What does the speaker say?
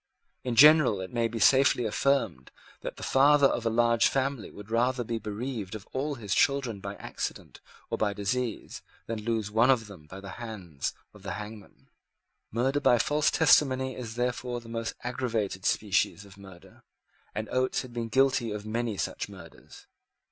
In general it may be safely affirmed that the father of a large family would rather be bereaved of all his children by accident or by disease than lose one of them by the hands of the hangman. Murder by false testimony is therefore the most aggravated species of murder; and Oates had been guilty of many such murders.